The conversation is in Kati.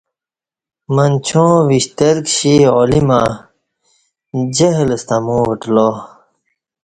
منچا ں وشتر کشی عالمہ جہل ستہ امو وٹلا